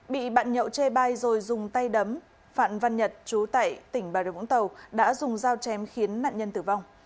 bị bạn nhậu chê bai rồi dùng tay đấm phạm văn nhật chú tại tỉnh bà rịa vũng tàu đã dùng dao chém khiến nạn nhân tử vong